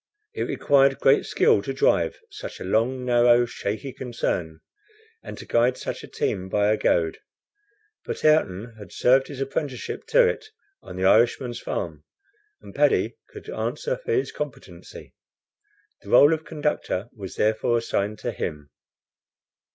It required great skill to drive such a long, narrow, shaky concern, and to guide such a team by a goad; but Ayrton had served his apprenticeship to it on the Irishman's farm, and Paddy could answer for his competency. The role of conductor was therefore assigned to him.